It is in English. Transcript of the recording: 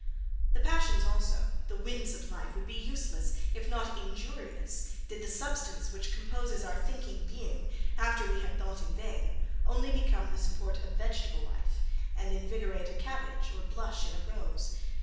The passions also, the winds of life, would be useless, if not injurious, did the substance which composes our thinking being, after we have thought in vain, only become the support of vegetable life, and invigorate a cabbage, or blush in a rose.